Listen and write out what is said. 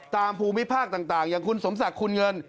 ภูมิภาคต่างอย่างคุณสมศักดิ์คุณเงิน